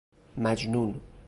مجنون